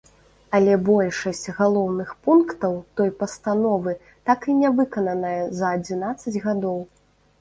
Але большасць галоўных пунктаў той пастановы так і нявыкананая за адзінаццаць гадоў.